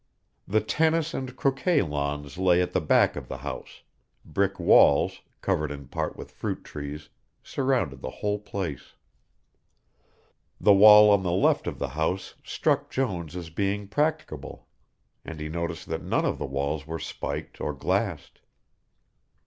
The tennis and croquet lawns lay at the back of the house, brick walls, covered in part with fruit trees, surrounded the whole place. The wall on the left of the house struck Jones as being practicable, and he noticed that none of the walls were spiked or glassed.